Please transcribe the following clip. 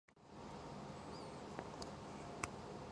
も